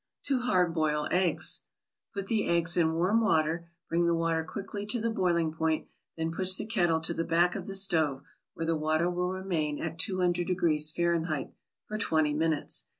TO HARD BOIL EGGS Put the eggs in warm water, bring the water quickly to the boiling point, then push the kettle to the back of the stove, where the water will remain at 200 degrees Fahrenheit, for twenty minutes.